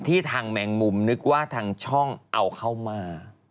ทางแมงมุมนึกว่าทางช่องเอาเข้ามา